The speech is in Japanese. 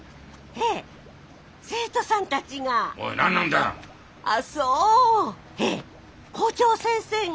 へえ校長先生が。